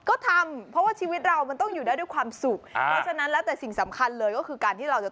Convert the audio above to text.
ก็ทำเพราะว่าชีวิตเรามันต้องอยู่ได้ด้วยความสุข